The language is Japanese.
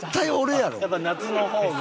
やっぱ夏の方が。